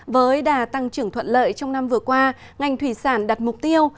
với đà tăng trưởng thuận lợi trong năm vừa qua ngành thủy sản đặt mục tiêu